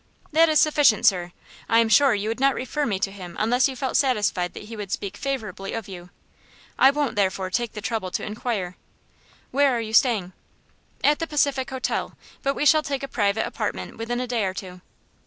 "That is sufficient, sir. I am sure you would not refer me to him unless you felt satisfied that he would speak favorably of you. I won't, therefore, take the trouble to inquire. Where are you staying?" "At the Pacific Hotel; but we shall take a private apartment within a day or two."